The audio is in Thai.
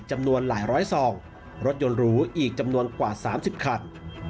จำนวนหลายร้อยซองรถยนต์หรูอีกจำนวนกว่า๓๐คัน